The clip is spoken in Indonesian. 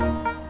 terima kasih ya